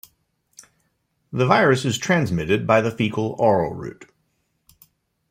The virus is transmitted by the faecal-oral route.